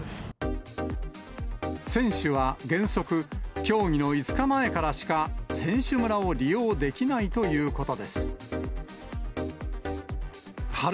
選手は原則、競技の５日前からしか選手村を利用できないということです。